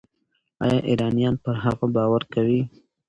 ایا ایرانیان پر هغه باور کوي؟